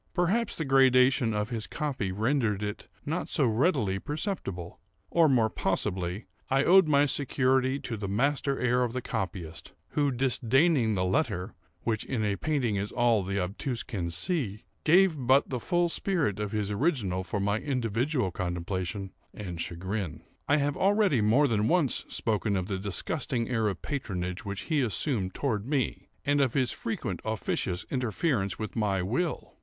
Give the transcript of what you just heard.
Perhaps the gradation of his copy rendered it not so readily perceptible; or, more possibly, I owed my security to the master air of the copyist, who, disdaining the letter, (which in a painting is all the obtuse can see,) gave but the full spirit of his original for my individual contemplation and chagrin. I have already more than once spoken of the disgusting air of patronage which he assumed toward me, and of his frequent officious interference with my will.